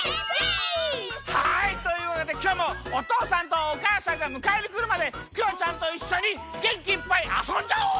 はいというわけできょうもおとうさんとおかあさんがむかえにくるまでクヨちゃんといっしょにげんきいっぱいあそんじゃおう！